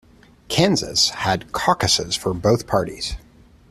Kansas had caucuses for both parties.